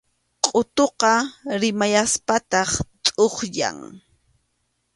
Qʼutuqa rumiyaspataq tʼuqyan.